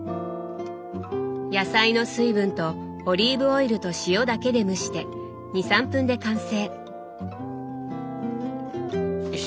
野菜の水分とオリーブオイルと塩だけで蒸して２３分で完成！